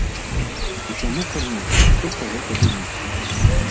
Усяму канец, што пра гэта думаць!